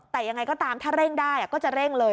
แต่ยังไงก็ตามถ้าเร่งได้ก็จะเร่งเลย